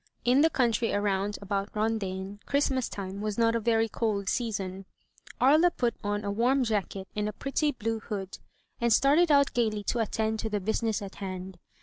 In the country around about Rondaine Christmas time was not a very cold season. Aria put on a warm jacket and a pretty blue hood, and started out gayly to attend to the business in hand.